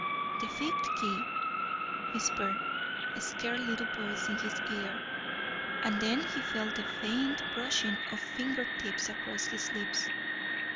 "The fifth key," whispered a scared little voice in his ear. And then he felt the faint brushing of finger tips across his lips.